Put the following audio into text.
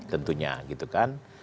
tentunya gitu kan